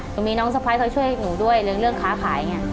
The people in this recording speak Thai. หนูมีน้องสะพ้ายเขาช่วยหนูด้วยเรื่องค้าขายไง